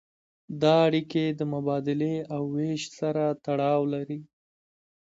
دا اړیکې د مبادلې او ویش سره تړاو لري.